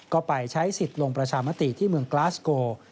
ก็ไปใช้สิทธิ์ลงประชามติที่เมืองกลาสโก